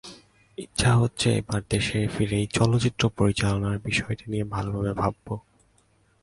ইচ্ছে আছে এবার দেশের ফিরেই চলচ্চিত্র পরিচালনার বিষয়টি নিয়ে ভালোভাবে ভাবব।